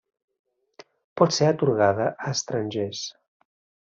Pot ser atorgada a estrangers.